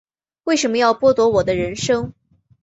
为什么要剥夺我的人生